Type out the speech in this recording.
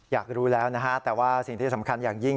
อยากรู้แล้วนะฮะแต่ว่าสิ่งที่สำคัญอย่างยิ่ง